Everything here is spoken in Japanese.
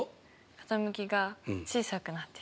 傾きが小さくなってる。